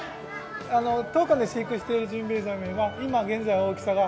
当館で飼育しているジンベエザメは今現在大きさが４．３メートル。